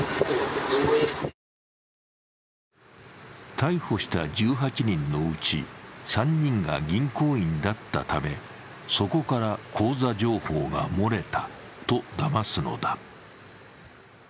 逮捕した１８人のうち３人が銀行員だったためそこから口座情報が漏れたとだますのだ。